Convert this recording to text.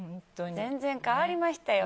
全然変わりましたよ。